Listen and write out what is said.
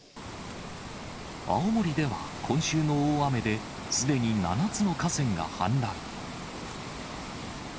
青森では今週の大雨で、すでに７つの河川が氾濫。